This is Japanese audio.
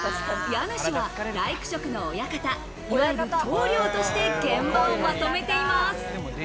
家主は大工職の親方、いわゆる棟梁として現場をまとめています。